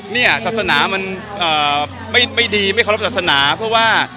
เนี่ยศาสนามันไม่ดีไม่เคารพศาสนาเพราะว่า